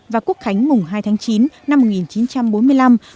và quốc khánh mùng hai tháng chín năm một nghìn chín trăm bốn mươi năm